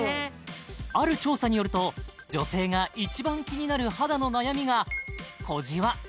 ある調査によると女性が一番気になる肌の悩みが小じわ